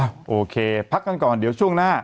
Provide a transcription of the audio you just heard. โอเคพักกันก่อนเดี๋ยวช่วงหน้า